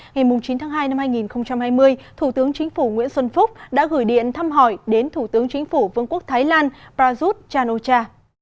ngày chín tháng hai năm hai nghìn hai mươi thủ tướng chính phủ nguyễn xuân phúc đã gửi điện thăm hỏi đến thủ tướng chính phủ vương quốc thái lan prajut chan o cha